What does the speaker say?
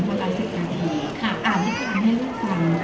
เวลา๑๐นาทีอ่านให้ลูกฟัง